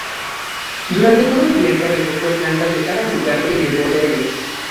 Durante todo el viaje recogió plantas de cada lugar que llevó de regreso.